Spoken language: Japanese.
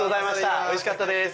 おいしかったです！